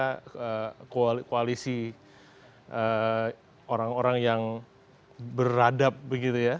mereka menjaga koalisi orang orang yang beradab begitu ya